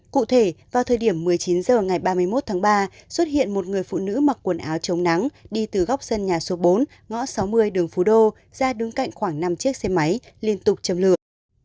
cụ thể vào thời điểm một mươi chín h ngày ba mươi một tháng ba xuất hiện một người phụ nữ mặc quần áo chống nắng đi từ góc sân nhà số bốn ngõ sáu mươi đường phú đô ra đứng cạnh khoảng năm chiếc xe máy liên tục châm lửa